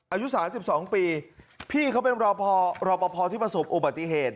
อายุ๓๒ปีพี่เขาเป็นรอพอรอปภที่ประสบอุบัติเหตุ